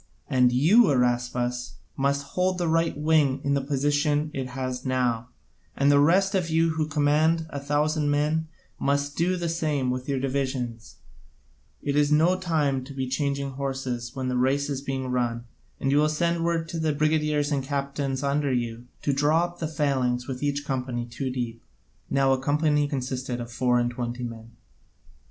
And then you, Araspas, must hold the right wing in the position it has now, and the rest of you who command a thousand men must do the same with your divisions: it is no time to be changing horses when the race is being run; and you will send word to the brigadiers and captains under you to draw up the phalanx with each company two deep." (Now a company consisted of four and twenty men.)